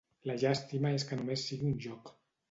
La llàstima és que només sigui un joc.